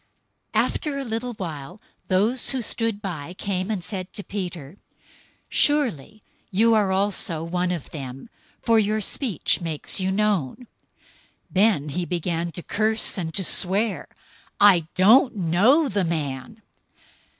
026:073 After a little while those who stood by came and said to Peter, "Surely you are also one of them, for your speech makes you known." 026:074 Then he began to curse and to swear, "I don't know the man!"